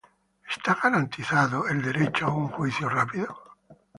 ¿Es el derecho a un juicio rápido garantizado?